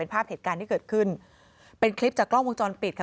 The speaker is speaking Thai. ภาพเหตุการณ์ที่เกิดขึ้นเป็นคลิปจากกล้องวงจรปิดค่ะ